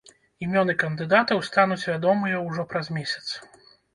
Імёны кандыдатаў стануць вядомыя ужо праз месяц.